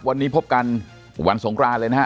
วันนี้พบกันวันสงครานเลยนะฮะ